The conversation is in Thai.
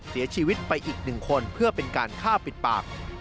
เสียชีวิตไปอีกหนึ่งคนเพื่อเป็นการฆ่าปิดปาก